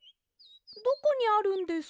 どこにあるんですか？